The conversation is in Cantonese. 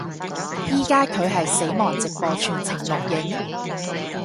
依家佢係死亡直播全程錄影